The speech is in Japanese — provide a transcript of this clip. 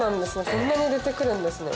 こんなに出て来るんですね。